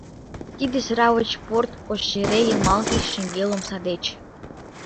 Тиде сравоч porte-coshere йымалсе шеҥгел омса деч.